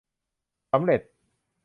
สำเร็จ